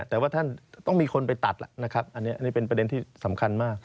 แต่ว่าท่านต้องมีคนไปตัดล่ะนะครับอันนี้เป็นประเด็นที่สำคัญมาก